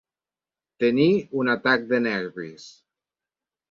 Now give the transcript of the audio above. Tenir un atac de nervis.